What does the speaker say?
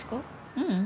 ううん。